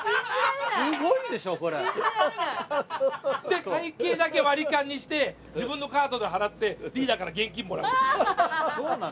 で会計だけ割り勘にして自分のカードで払ってリーダーから現金もらうっていう。